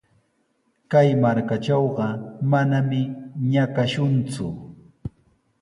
Kay markaatrawqa manami ñakashunku.